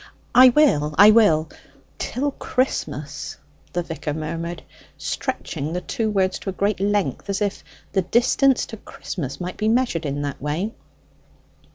"I will, I will. Till Christmas," the vicar murmured, stretching the two words to a great length, as if the distance to Christmas might be measured in that way.